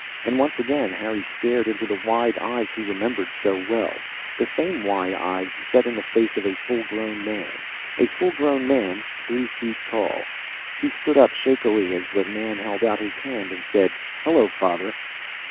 And once again Harry stared into the wide eyes he remembered so well the same wide eyes, set in the face of a fullgrown man. A fullgrown man, three feet tall. He stood up, shakily, as the man held out his hand and said, "Hello, Father."